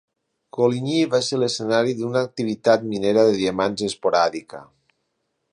Coligny va ser l'escenari d'una activitat minera de diamants esporàdica.